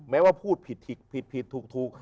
แม้ว่าพูดผิดถูก